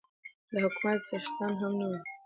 د حکومت څښتنان هم نه وو.